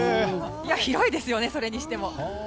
広いですよね、それにしても。